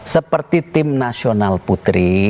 seperti tim nasional putri